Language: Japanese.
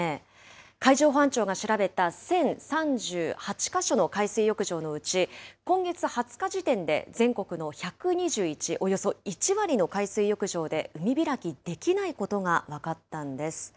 海上保安庁が調べた、１０３８か所の海水浴場のうち、今月２０日時点で全国の１２１、およそ１割の海水浴場で海開きできないことが分かったんです。